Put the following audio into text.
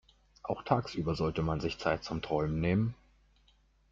Auch tagsüber sollte man sich Zeit zum Träumen nehmen.